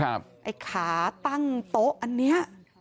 ไอ้ขาตั้งโต๊ะอันนี้